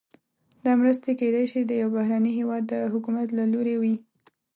دا مرستې کیدای شي د یو بهرني هیواد د حکومت له لوري وي.